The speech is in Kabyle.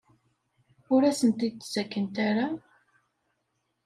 Ur asen-t-id-ttakent ara?